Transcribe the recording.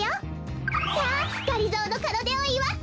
さあがりぞーのかどでをいわって。